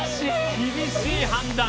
厳しい判断。